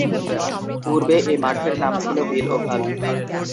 পূর্বে এ মাঠের নাম ছিল বিল ওভাল।